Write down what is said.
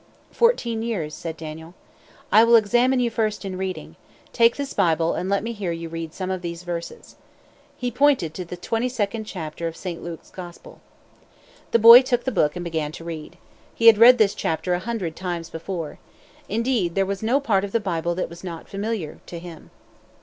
"Fourteen years," said Daniel. "I will examine you first in reading. Take this Bible, and let me hear you read some of these verses." He pointed to the twenty second chapter of Saint Luke's Gospel. The boy took the book and began to read. He had read this chapter a hundred times before. Indeed, there was no part of the Bible that was not familiar to him.